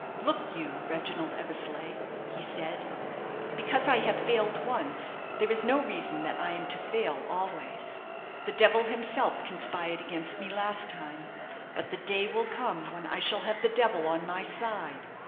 "Look you, Reginald Eversleigh," he said, "because I have failed once, there is no reason that I am to fail always. The devil himself conspired against me last time; but the day will come when I shall have the devil on my side.